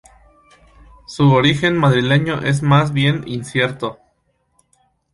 Su origen madrileño es más bien incierto.